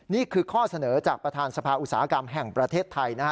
นี่คือข้อเสนอจากประธานสภาอุตสาหกรรมแห่งประเทศไทยนะฮะ